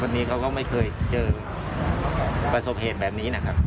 นี้เขาก็ไม่เคยเจอประสบเหตุแบบนี้นะครับ